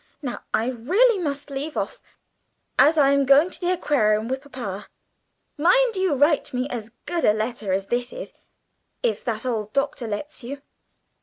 Now I really must leave off, as I am going to the Aquarium with papa. Mind you write me as good a letter as this is, if that old Doctor lets you.